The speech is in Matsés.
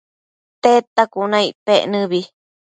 Tedta cuna icpec nëbi